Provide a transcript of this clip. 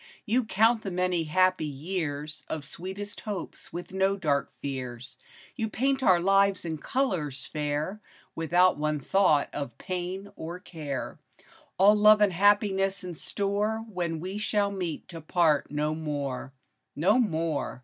You count the many happy years Of sweetest hopes with no dark fears ; You paint our lives in colors fair, Without one thought of pain or care ; All love and happiness in store When we shall meet to part no more, No more